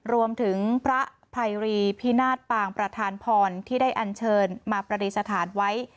รวมถึงพระภัยรีพินาศปางประธานพรที่ได้อันเชิญมาปฏิสถานไว้